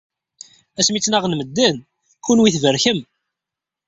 Asmi ttnaɣen medden, kunwi tberkem